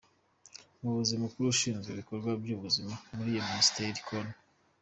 Umuyobozi mukuru ushinzwe ibikorwa by’ubuzima muri iyo Minisiteri, Col.